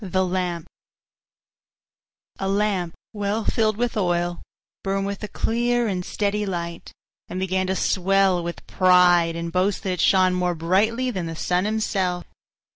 THE LAMP A Lamp, well filled with oil, burned with a clear and steady light, and began to swell with pride and boast that it shone more brightly than the sun himself.